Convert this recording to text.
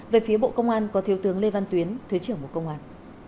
về phía bộ công an có thiếu tướng lê văn tuyến thứ trưởng bộ công an